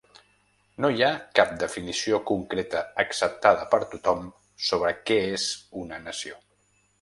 No hi ha cap definició concreta acceptada per tothom sobre què és una nació.